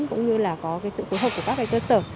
cũng như là có sự phối hợp của các cơ sở